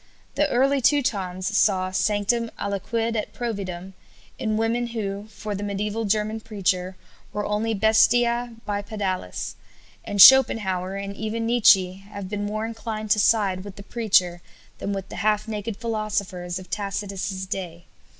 The early Teutons saw "sanctum aliquid et providum" in women who, for the mediæval German preacher, were only "bestiæ bipedales"; and Schopenhauer and even Nietzsche have been more inclined to side with the preacher than with the half naked philosophers of Tacitus's day.